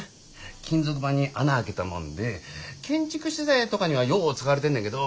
金属板に孔開けたもんで建築資材とかにはよう使われてんねんけど。